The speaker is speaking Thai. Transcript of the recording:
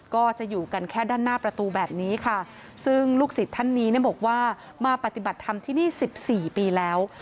ก็จะอยู่กันแค่ด้านหน้าประตูแบบนี้ค่ะซึ่งลูกศิษย์ท่านนี้เนี่ยบอกว่ามาปฏิบัติธรรมที่นี่สิบสี่ปีแล้ว